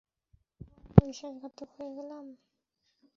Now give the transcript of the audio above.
এখন আমি বিশ্বাসঘাতক হয়ে গেলাম?